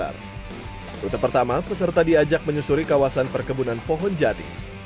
rute pertama peserta diajak menyusuri kawasan perkebunan pohon jati